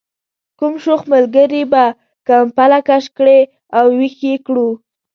کوم شوخ ملګري به کمپله کش کړې او ویښ یې کړو.